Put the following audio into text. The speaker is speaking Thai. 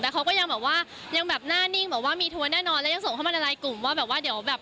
เขาก็ยังแบบว่ายังแบบหน้านิ่งแบบว่ามีทัวร์แน่นอนแล้วยังส่งเข้ามาในไลน์กลุ่มว่าแบบว่าเดี๋ยวแบบ